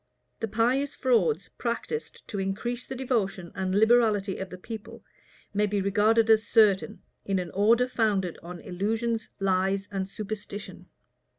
The pious frauds practised to increase the devotion and liberality of the people, may be regarded as certain, in an order founded on illusions, lies, and superstition.